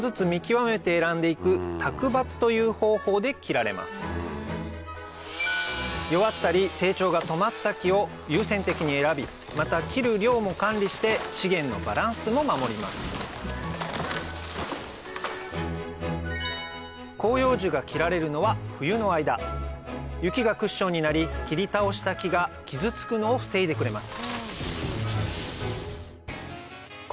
これらの弱ったり成長が止まった木を優先的に選びまた切る量も管理して資源のバランスも守ります広葉樹が切られるのは冬の間雪がクッションになり切り倒した木が傷つくのを防いでくれます